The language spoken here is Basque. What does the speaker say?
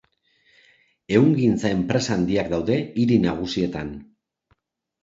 Ehungintza-enpresa handiak daude hiri nagusietan.